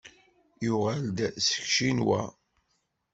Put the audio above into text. Yuɣal-d seg Ccinwa.